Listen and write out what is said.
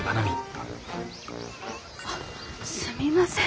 あっすみません。